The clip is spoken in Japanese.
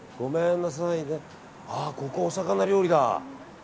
ここお魚料理だ。